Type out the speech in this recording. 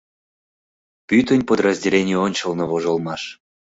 Пӱтынь подразделений ончылно вожылмаш.